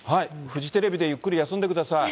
フジテレビでゆっくり休んでください。